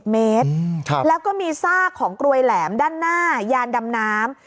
เมตรแล้วก็มีซากของกลวยแหลมด้านหน้ายานดำน้ำ